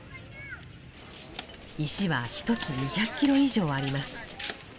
石は１つ２００キロ以上あります。